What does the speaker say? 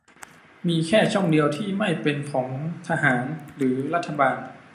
มีแค่ช่องเดียวที่ไม่เป็นของทหารหรือรัฐบาล